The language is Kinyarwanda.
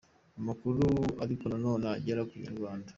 Amakuru ariko nanone agera ku inyarwanda.